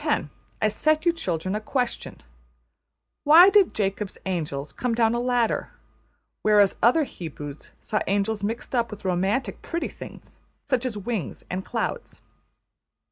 \ I set you children a question: Why did Jacob's angels come down a ladder, whereas other Hebrews saw angels mixed up with romantic pretty things such as wings and clouds?